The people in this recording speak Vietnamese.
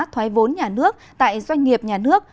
thoái vốn nhà nước tại doanh nghiệp nhà nước